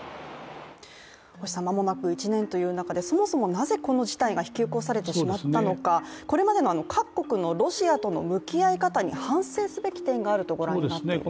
間もなく１年という中で、そもそもなぜこの事態が引き起こされてしまったのか、これまでの各国のロシアとの向き合い方に反省すべき点があるとご覧になっていると。